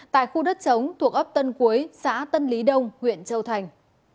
tại khu đất chống thuộc ấp tân cuối xã tân lý đông huyện châu thành